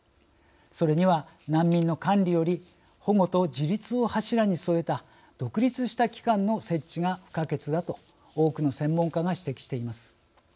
それには、難民の管理より保護と自立を柱に据えた独立した機関の設置が不可欠だと多くの専門家が指摘しています。